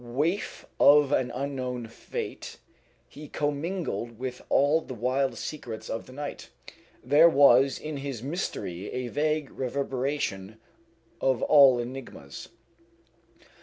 Waif of an unknown fate, he commingled with all the wild secrets of the night. There was in his mystery a vague reverberation of all enigmas.